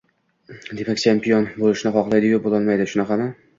demak, champion bo‘lishni xoxladiyu bo‘lolmadi shunaqami?